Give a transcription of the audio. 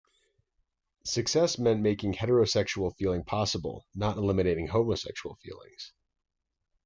Success meant making heterosexual feeling possible, not eliminating homosexual feelings.